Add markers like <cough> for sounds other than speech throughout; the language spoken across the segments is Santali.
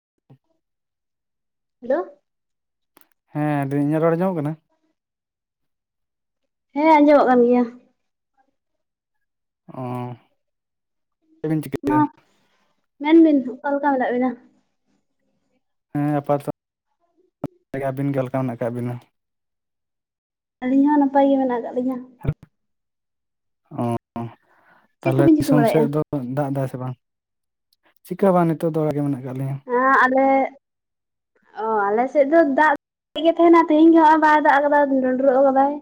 <unintelligible> ᱦᱮᱞᱳ ᱦᱮᱸ ᱫᱟᱹᱧ ᱤᱧᱟᱹᱜ ᱨᱚᱲ ᱟᱡᱚᱢ ᱠᱟᱱᱟ ᱦᱮᱸ ᱟᱸᱡᱚᱢᱚᱜ ᱠᱟᱱ ᱜᱮᱭᱟ᱾ ᱚ ᱪᱮᱫ ᱵᱤᱱ ᱢᱟ ᱪᱤᱠᱟᱹᱭᱮᱫᱟ? ᱢᱮᱱᱵᱤᱱ ᱚᱠᱟ ᱞᱮᱠᱟ ᱢᱮᱱᱟᱜ ᱵᱤᱱᱟ ᱦᱮᱸ ᱟᱯᱟᱛ <unintelligible> ᱚᱠᱟᱞᱮᱠᱟ ᱟᱵᱤᱱ ᱢᱮᱱᱟᱜ ᱟᱠᱟᱫ ᱵᱤᱱᱟ ᱟᱹᱞᱤᱧ ᱦᱚᱸ ᱱᱟᱯᱟᱭ ᱜᱮ ᱢᱮᱱᱟᱜ ᱟᱠᱟᱫ ᱞᱤᱧᱟᱹ ᱚ ᱪᱮᱫ ᱛᱟᱦᱚᱞᱮ ᱠᱚᱵᱤᱱ ᱪᱤᱠᱟᱹ ᱫᱤᱥᱚᱢ ᱥᱮᱫ ᱵᱟᱲᱟᱭᱮᱫᱼᱟ? ᱫᱚ ᱫᱟᱜ ᱫᱟᱭ ᱥᱮ ᱵᱟᱝ ᱪᱮᱠᱟ ᱦᱚ ᱵᱟᱝ ᱱᱤᱛᱚᱜ ᱫᱚ ᱚᱲᱟᱜ ᱜᱮ ᱢᱮᱱᱟᱜ ᱟᱠᱟᱫ ᱞᱤᱧᱟᱹ ᱦᱮᱸ ᱟᱞᱮ ᱚ ᱟᱞᱮᱥᱮᱫ ᱫᱚ ᱫᱟᱜ ᱜᱮ ᱛᱟᱦᱮᱱᱟ ᱛᱮᱦᱮᱧ ᱜᱮ ᱱᱚᱜᱚᱭ ᱵᱟᱭ ᱫᱟᱜ ᱟᱠᱟᱫᱟ ᱰᱩᱸᱰᱨᱩᱜ ᱟᱠᱟᱫᱟᱭ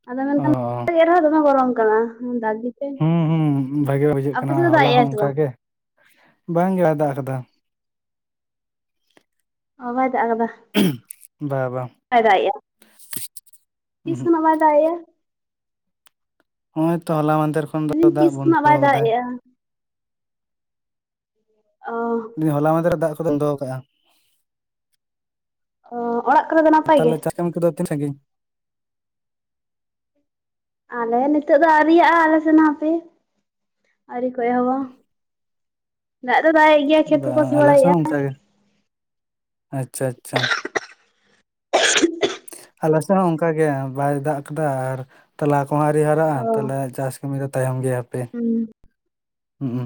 ᱟᱫᱚ ᱚ ᱮᱱᱨᱮᱦᱟ ᱫᱚᱢᱟ ᱜᱚᱨᱚᱢ ᱠᱟᱱᱟ ᱫᱟᱜᱼᱼ ᱦᱩᱸ ᱦᱩᱸ ᱵᱷᱟᱜᱮ ᱵᱩᱡᱷᱟᱹᱜ ᱠᱟᱱᱟ ᱫᱟᱜ ᱦᱚᱞᱟ ᱦᱚᱸ ᱮᱜᱼᱟᱭ ᱥᱮ ᱚᱱᱠᱟᱜ ᱵᱟᱝ? ᱜᱮ ᱵᱟᱝ ᱜᱮ ᱫᱟᱜ ᱟᱠᱟᱫᱟ᱾ ᱚ ᱵᱟᱭ ᱫᱟᱜ ᱠᱟᱫᱟ᱾ ᱵᱟ ᱵᱟ ᱛᱤᱥ ᱩᱸᱦᱩᱜ ᱠᱷᱚᱱᱟᱜ ᱵᱟᱭ ᱫᱟᱜ ᱮᱭᱟ? ᱱᱚᱜᱚᱭ ᱛᱚ ᱦᱚᱞᱟ ᱢᱟᱱᱫᱷᱮᱨ ᱠᱷᱚᱱ ᱫᱚ ᱢᱮᱱᱫᱟᱹᱧ ᱫᱟᱜ ᱛᱤᱥ ᱠᱷᱚᱱᱟᱜ ᱵᱚᱱᱫᱚ ᱵᱟᱭ ᱫᱟᱜ ᱟᱠᱟᱫᱟ᱾ ᱮᱜᱼᱟ ᱚ ᱦᱚᱞᱟ ᱢᱟᱫᱷᱮ ᱨᱮ ᱫᱟᱜ ᱠᱚᱫᱚ ᱵᱚᱱᱫᱚ ᱠᱟᱜᱼᱟ᱾ ᱚ ᱚᱲᱟᱜ ᱠᱚᱨᱮ ᱫᱚ ᱱᱟᱯᱟᱭ ᱜᱮ ᱡᱚᱢ ᱠᱚ ᱫᱚ ᱛᱤᱱ ᱥᱟᱺᱜᱤᱧ ᱟᱞᱮ ᱱᱤᱛᱚᱜ ᱫᱚ ᱟᱹᱨᱤᱭᱟᱜᱼᱟ ᱟᱞᱮ ᱥᱮᱱ ᱦᱟᱸᱯᱮ᱾ ᱟᱹᱨᱤ ᱠᱚ ᱮᱦᱚᱵᱟ ᱫᱟᱜ ᱫᱚ ᱫᱟᱜᱮᱫ ᱜᱮᱭᱟ ᱠᱷᱮᱛ ᱠᱚᱠᱚ ᱵᱟᱝ ᱥᱤ ᱟᱞᱮ ᱥᱮᱫ ᱵᱟᱲᱟᱭᱮᱼᱟ᱾ ᱚᱱᱠᱟ ᱜᱮ ᱟᱪᱪᱷᱟ ᱟᱪᱪᱷᱟ ᱟᱞᱮ ᱥᱮᱫ ᱦᱚᱸ ᱚᱱᱠᱟᱜ ᱜᱮ ᱵᱟᱭ ᱫᱟᱜ ᱠᱟᱫᱟ ᱟᱨ ᱛᱚᱞᱟ ᱠᱚᱦᱚᱸ ᱟᱹᱣᱨᱤ ᱦᱟᱨᱟᱜᱼᱟ ᱚ ᱛᱟᱦᱞᱮ ᱪᱟᱥ ᱠᱟᱹᱢᱤ ᱫᱚ ᱛᱟᱭᱚᱢ ᱜᱮᱭᱟ ᱦᱟᱯᱮ ᱦᱩᱸ ᱩᱸᱦᱩ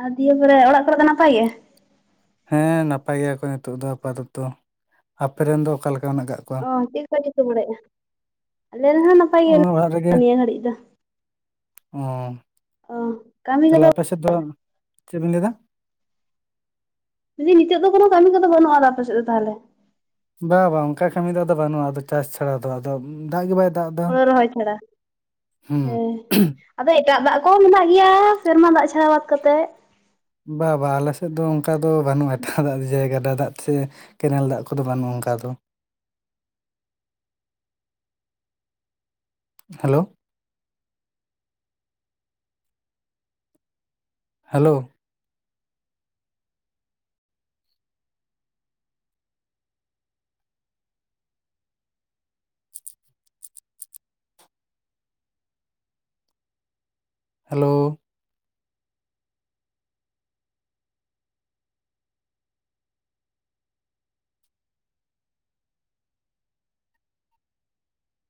ᱟᱨ ᱫᱤᱭᱮ ᱯᱚᱨᱮ ᱚᱲᱟᱜ ᱠᱚᱨᱮ ᱫᱚ ᱱᱟᱯᱟᱭ ᱜᱮᱭᱟ? ᱦᱮᱸ ᱱᱟᱯᱟᱭ ᱜᱮᱭᱟ ᱠᱚ ᱱᱤᱛᱳᱜ ᱫᱚ ᱟᱯᱟᱛᱚᱛᱚ ᱟᱯᱮ ᱨᱮᱱ ᱫᱚ ᱚᱠᱟ ᱞᱮᱠᱟ ᱢᱮᱱᱟᱜ ᱠᱟᱜ ᱠᱚᱣᱟ ᱚᱻ ᱪᱮᱫ ᱠᱚ ᱪᱤᱠᱟ ᱵᱟᱲᱟᱭᱮᱜᱼᱟ ᱟᱞᱮ ᱨᱮᱦᱚᱸ ᱱᱟᱯᱟᱭ ᱚ ᱜᱮ ᱚᱲᱟᱜ ᱨᱮᱜᱮ ᱱᱤᱭᱟᱹ ᱜᱷᱟᱹᱲᱤᱡ ᱫᱚ᱾ ᱚ ᱚ ᱠᱟᱹᱢᱤ ᱛᱟᱦᱚᱞᱮ ᱠᱚᱫᱚ ᱟᱯᱮ ᱥᱮᱫ ᱫᱚ ᱪᱮᱫ ᱵᱤᱱ ᱞᱟᱹᱭ ᱫᱟ? ᱡᱩᱫᱤ ᱱᱤᱛᱳ ᱫᱚ ᱠᱚᱱᱳ ᱠᱟᱹᱢᱤ ᱫᱚ ᱵᱟᱹᱱᱩᱜ ᱟ ᱟᱯᱮ ᱥᱮᱫ ᱫᱚ ᱛᱟᱦᱚᱞᱮ᱾ ᱵᱟᱝ ᱵᱟᱝ ᱚᱱᱠᱟ ᱠᱟᱹᱢᱤ ᱫᱚ ᱟᱫᱚ ᱵᱟᱹᱱᱩᱜᱼᱟ ᱟᱫᱚ ᱪᱟᱥ ᱪᱷᱟᱲᱟ ᱫᱚ ᱫᱟᱜ ᱜᱮ ᱵᱟᱭᱼᱼ ᱦᱩᱲᱳ ᱨᱚᱦᱚᱭ ᱪᱷᱟᱲᱟ ᱦᱩᱸ ᱦᱮᱸ ᱟᱫᱚ ᱮᱴᱟᱜ ᱫᱟᱜ ᱠᱚᱦᱚᱸ ᱢᱮᱱᱟᱜ ᱜᱮᱭᱟ ᱥᱮᱨᱢᱟ ᱫᱟᱜ ᱪᱷᱟᱲᱟ ᱵᱟᱫ ᱠᱟᱛᱮᱜ᱾ ᱵᱟ ᱵᱟ ᱟᱞᱮ ᱥᱮᱫ ᱫᱚ ᱚᱱᱠᱟ ᱫᱚ ᱵᱟᱹᱱᱩᱜᱼᱟ ᱮᱴᱟᱜ ᱫᱟᱜ ᱡᱮ ᱜᱟᱰᱟ ᱫᱟᱜ ᱛᱮᱥᱮ ᱠᱮᱱᱮᱞ ᱫᱟᱜ ᱠᱚᱫᱚ ᱵᱟᱹᱱᱩᱜᱼᱟ ᱚᱱᱠᱟ ᱫᱚ᱾ Hello hello hello